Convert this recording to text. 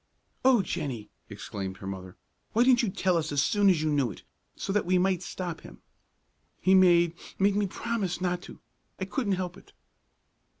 "O Jennie!" exclaimed her mother, "why didn't you tell us as soon as you knew it, so that we might stop him?" "He made made me promise not to! I couldn't help it."